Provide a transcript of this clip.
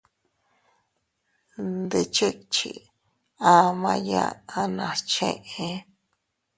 Ndichichi ama iiyaa nas cheé.